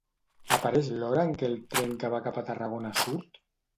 Apareix l'hora en què el tren que va cap a Tarragona surt?